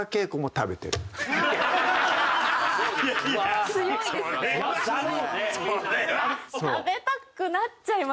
食べたくなっちゃいますよね